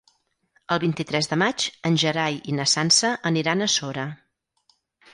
El vint-i-tres de maig en Gerai i na Sança aniran a Sora.